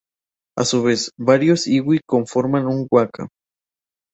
A su vez, varios iwi conforman un waka.